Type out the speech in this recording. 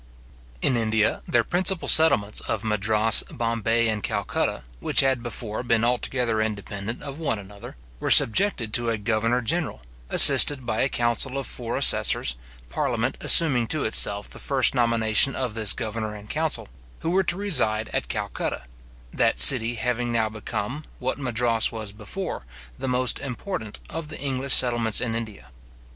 In India, their principal settlements or Madras, Bombay, and Calcutta, which had before been altogether independent of one another, were subjected to a governor general, assisted by a council of four assessors, parliament assuming to itself the first nomination of this governor and council, who were to reside at Calcutta; that city having now become, what Madras was before, the most important of the English settlements in India.